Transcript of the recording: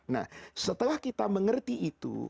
nah setelah kita mengerti itu